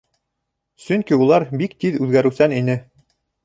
Сөнки улар бик тиҙ үҙгәреүсән ине.